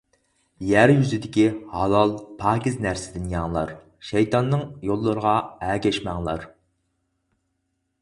يەر يۈزدىكى ھالال، پاكىز نەرسىدىن يەڭلار، شەيتاننىڭ يوللىرىغا ئەگەشمەڭلار.